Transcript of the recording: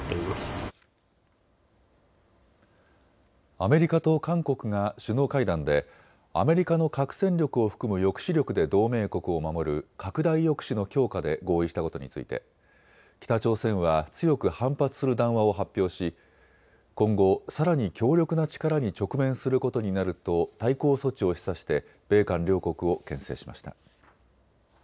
アメリカと韓国が首脳会談でアメリカの核戦力を含む抑止力で同盟国を守る拡大抑止の強化で合意したことについて北朝鮮は強く反発する談話を発表し今後、さらに強力な力に直面することになると対抗措置を示唆して米韓両国をけん制しました。